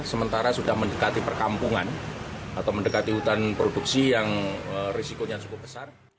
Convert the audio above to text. sementara sudah mendekati perkampungan atau mendekati hutan produksi yang risikonya cukup besar